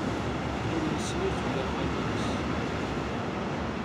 Ur yesnuzuy axxam-nnes.